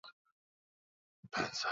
bidhaa za wakulima hususan viazi lishe